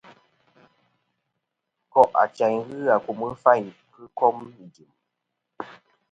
Nkò' achayn ghɨ akum ghɨ fayn kɨ kom ijɨm.